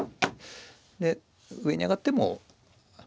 で上に上がっても。